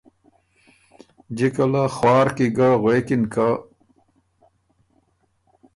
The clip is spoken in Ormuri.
جِکه له خوار کی ګه غوېکِن که